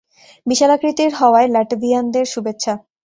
বিশালাকৃতির হওয়ায় ল্যাটভিয়ানদের শুভেচ্ছা।